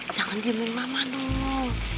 jangan diemin mama dulu